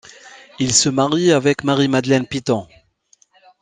Il se marie avec Marie Madeleine Piton.